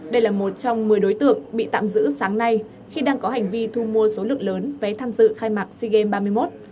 đây là một trong một mươi đối tượng bị tạm giữ sáng nay khi đang có hành vi thu mua số lượng lớn vé tham dự khai mạc sea games ba mươi một